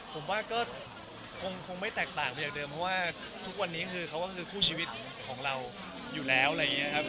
ผมว่าก็คงไม่แตกต่างไปอย่างเดิมเพราะว่าทุกวันนี้คือเขาก็คือคู่ชีวิตของเราอยู่แล้วอะไรอย่างนี้ครับ